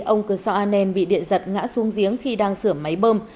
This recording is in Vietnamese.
ông cơ sọ an nen bị điện giật ngã xuống giếng khi đang sửa máy bơm